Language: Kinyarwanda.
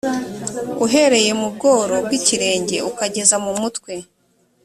uhereye mu bworo bw ikirenge ukageza mu mutwe